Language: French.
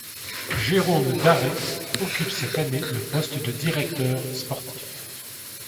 Jérôme Daret occupe cette année le poste de directeur sportif.